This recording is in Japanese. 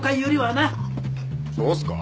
そうっすか？